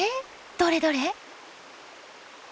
どれどれ？